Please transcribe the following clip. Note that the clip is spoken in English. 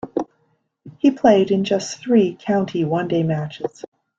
He played in just three county one day matches.